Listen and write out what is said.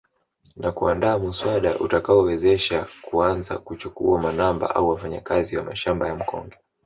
Na kuandaa muswada utakaowezesha kuanza kuchukua manamba au wafanyakazi wa mashamba ya mkonge